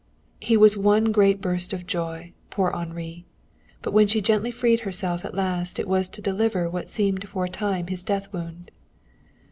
He was one great burst of joy, poor Henri. But when she gently freed herself at last it was to deliver what seemed for a time his death wound.